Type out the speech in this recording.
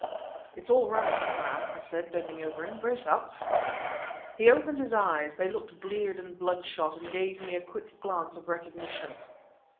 "It's all right, old man," I said, bending over him; "brace up!" He opened his eyes they looked bleared and bloodshot and gave me a quick glance of recognition.